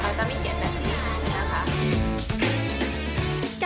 เราจะไม่เขียนแบบนี้เลยนะครับ